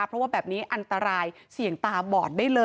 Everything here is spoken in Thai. เพราะว่าแบบนี้อันตรายเสี่ยงตาบอดได้เลย